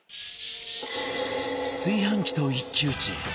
炊飯器と一騎打ち